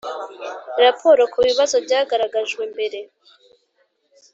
raporo ku bibazo byagaragajwe mbere